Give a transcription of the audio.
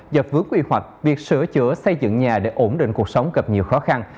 do vướng quy hoạch việc sửa chữa xây dựng nhà để ổn định cuộc sống gặp nhiều khó khăn